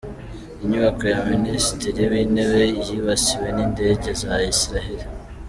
Inyubako ya Minisitiri w’Intebe yibasiwe n’Indege za Isiraheli